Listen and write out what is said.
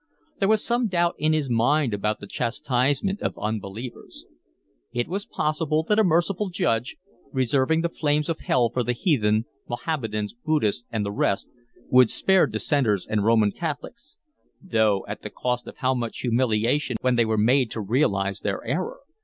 There was some doubt in his mind about the chastisement of unbelievers. It was possible that a merciful judge, reserving the flames of hell for the heathen—Mahommedans, Buddhists, and the rest—would spare Dissenters and Roman Catholics (though at the cost of how much humiliation when they were made to realise their error!)